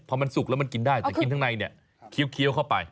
พอมันสุกแล้วมันกินได้แต่กินข้างในเนี่ยเคี้ยวเข้าไป